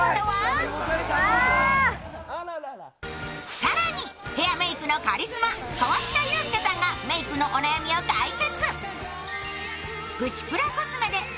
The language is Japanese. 更に、ヘアメイクのカリスマ河北裕介さんがメイクのお悩みを解決。